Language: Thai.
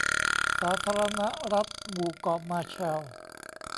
สาธารณรัฐหมู่เกาะมาร์แชลล์